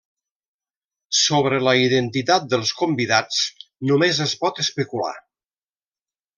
Sobre la identitat dels convidats només es pot especular.